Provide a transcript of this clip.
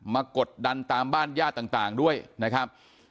กดดันตามบ้านญาติต่างด้วยนะครับ